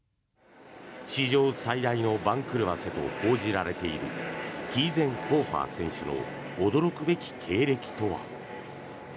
史上最大の番狂わせと報じられているキーゼンホーファー選手の驚くべき経歴とは。